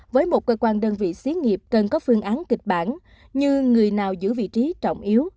với một cơ quan đơn vị xí nghiệp cần có phương án kịch bản như người nào giữ vị trí trọng yếu